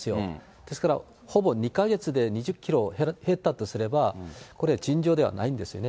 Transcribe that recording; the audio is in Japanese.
ですから、ほぼ２か月で２０キロ減ったとすれば、これ、尋常ではないんですよね。